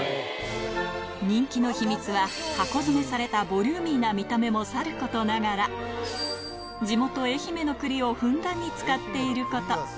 人気の秘密は箱詰めされたボリューミーな見た目もさることながら地元愛媛の栗をふんだんに使っていること